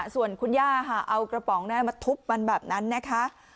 ส่วนคุณย่าค่ะเอากระป๋องมาทุบมันแบบนั้นนะคะ